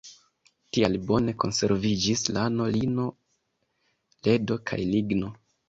Tial bone konserviĝis lano, lino, ledo kaj ligno.